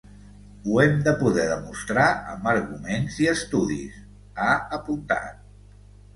Ho hem de poder demostrar amb arguments i estudis, ha apuntat.